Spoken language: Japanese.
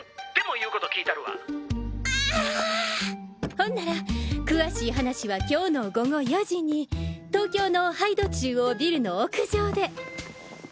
ほんなら詳しい話は今日の午後４時に東京の杯戸中央ビルの屋上で。